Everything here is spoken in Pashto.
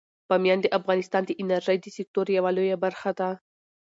بامیان د افغانستان د انرژۍ د سکتور یوه لویه برخه ده.